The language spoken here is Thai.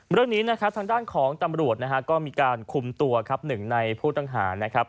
เรื่องนี้นะครับทางด้านของตำรวจนะฮะก็มีการคุมตัวครับหนึ่งในผู้ต้องหานะครับ